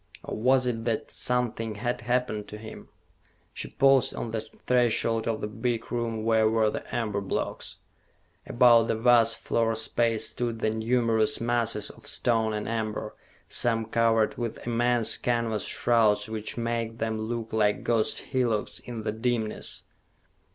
Or was it that something had happened to him? She paused on the threshold of the big room where were the amber blocks. About the vast floor space stood the numerous masses of stone and amber, some covered with immense canvas shrouds which made them look like ghost hillocks in the dimness.